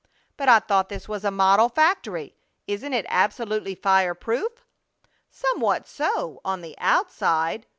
"But I thought this was a model factory! Isn't it absolutely fire proof?" "Somewhat so, on the _out_side!"